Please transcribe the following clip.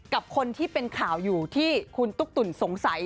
กับคนที่เป็นข่าวอยู่ที่คุณตุ๊กตุ๋นสงสัย